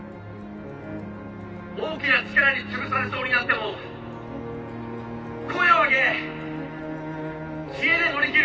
大きな力に潰されそうになっても声を上げ知恵で乗り切る